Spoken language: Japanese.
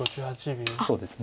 そうですね。